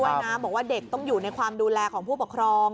ป้ายติดเอาไว้ด้วยนะบอกว่าเด็กต้องอยู่ในความดูแลของผู้ปกครอง